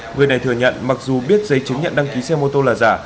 người này thừa nhận mặc dù biết giấy chứng nhận đăng ký xe mô tô là giả